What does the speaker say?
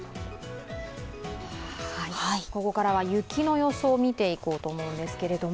ここからは雪の予想を見ていこうと思うんですけれども。